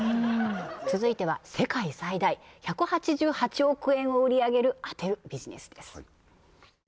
続いては世界最大１８８億円を売り上げる当てるビジネスです